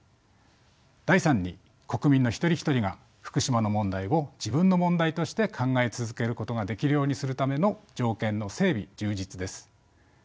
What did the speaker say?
第３に国民の一人一人が福島の問題を自分の問題として考え続けることができるようにするための条件の整備・充実です。